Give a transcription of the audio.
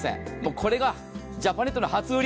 これがジャパネットの初売り。